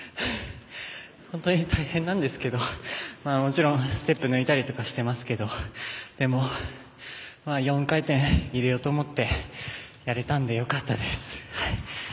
本当に大変なんですけどもちろんステップ抜いたりとかしてますけどでも４回転入れようと思ってやれたんで、よかったです。